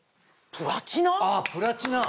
あプラチナ！